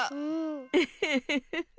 ウフフフフ。